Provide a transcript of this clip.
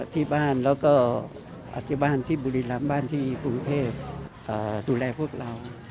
ที่บ้านแล้วก็อธิบายที่บุรีรำบ้านที่กรุงเทพดูแลพวกเรา